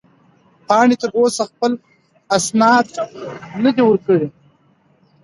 پاڼې تر اوسه خپل اسناد نه دي ورکړي.